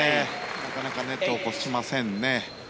なかなかネットを越しませんね。